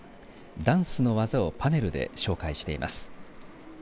ダンスの技をパネルで紹介しています。